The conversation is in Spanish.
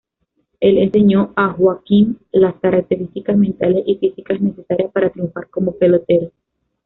El enseñó a Joakim las características mentales y físicas necesarias para triunfar como pelotero.